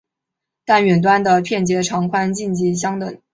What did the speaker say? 但远端的节片长宽几近相等。